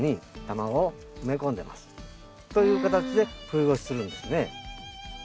という形で冬越しするんですね。